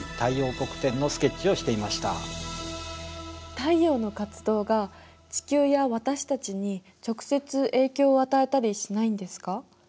太陽の活動が地球や私たちに直接影響を与えたりしないんですか？